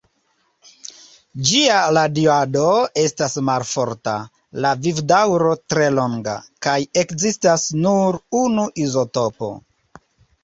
Ĝia radiado estas malforta, la vivdaŭro tre longa, kaj ekzistas nur unu izotopo.